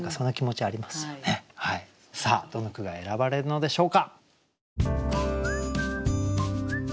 さあどの句が選ばれるのでしょうか。